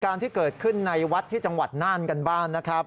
การที่เกิดขึ้นในวัดที่จังหวัดน่านกันบ้างนะครับ